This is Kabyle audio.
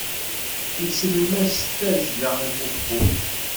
Nsellem-as tazzla i fuffu.